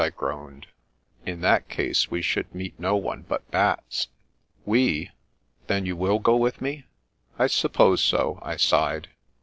I groaned. " In that case we should meet no one but bats." " We? Then you will go with me ?"" I suppose so," I sighed.